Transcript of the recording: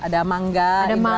ada mangga indramayu